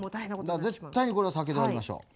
だから絶対にこれは酒で割りましょう。